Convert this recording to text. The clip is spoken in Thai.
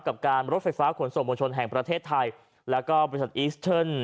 กับการรถไฟฟ้าขนส่งมวลชนแห่งประเทศไทยแล้วก็บริษัทอีสเทิร์น